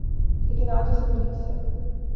لیکن اج اسے پولیس سے